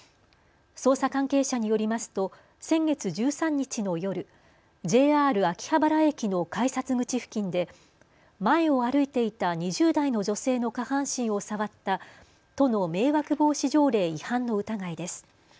捜査関係者によりますと先月１３日の夜、ＪＲ秋葉原駅の改札口付近で前を歩いていた２０代の女性の下半身を触った都の迷惑防止条例違反の疑いです。